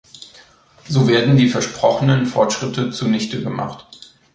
So werden die versprochenen Fortschritte zunichtegemacht.